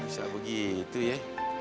bisa begitu ya